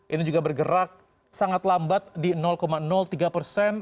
ini juga bergerak sangat lambat di tiga persen